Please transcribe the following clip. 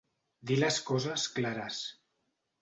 Dir les coses clares.